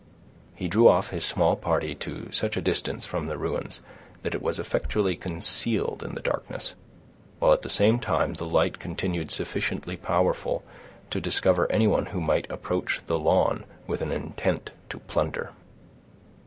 He drew off his small party to such a distance from the ruins, that it was effectually concealed in the darkness, while at the same time the light continued sufficiently power ful to discover anyone who might approach the lawn with an intent to plunder.